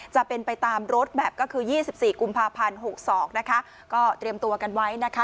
จะเป็นไปตามรถแมพก็คือ๒๔กุมภาพันธ์๖๒นะคะก็เตรียมตัวกันไว้นะคะ